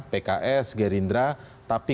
pks gerindra tapi